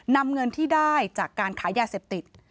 นำเงินที่ได้จากการขายยาเสพติด